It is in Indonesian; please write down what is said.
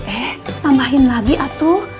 eh tambahin lagi atuh